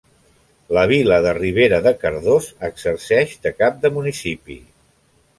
La vila de Ribera de Cardós exerceix de cap de municipi.